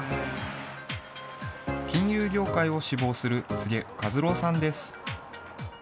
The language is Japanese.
金融業界を志望する柘植和郎さんです。